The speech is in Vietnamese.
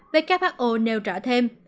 who nêu trả thêm